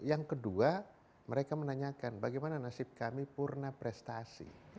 yang kedua mereka menanyakan bagaimana nasib kami purna prestasi